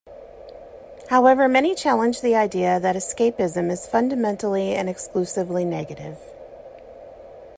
However, many challenge the idea that escapism is fundamentally and exclusively negative.